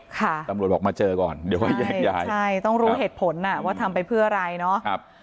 ตำรวจบอกมาเจอก่อนเดี๋ยวค่อยแยกย้ายใช่ต้องรู้เหตุผลอ่ะว่าทำไปเพื่ออะไรเนาะ